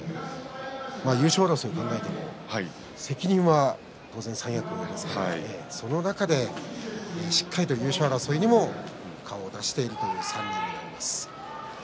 優勝争いを考えても責任は当然３関脇にあるわけですがその中でしっかりと優勝争いにも顔を出している３人の関脇です。